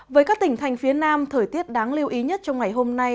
với các tỉnh thành phía nam thời tiết đáng lưu ý nhất trong ngày hôm nay